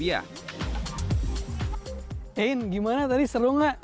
ein gimana tadi seru nggak